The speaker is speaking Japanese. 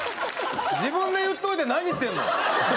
自分で言っといて何言ってんの？